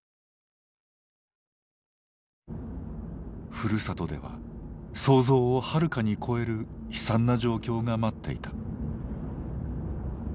ふるさとでは想像をはるかに超える悲惨な状況が待っていた。